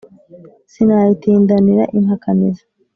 sinayitindanira impakanizi